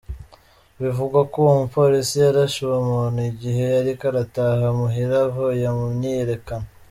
Bivugwa ko uwo mupolisi yarashe uwo muntu igihe yariko arataha muhira avuye mu myiyerekano.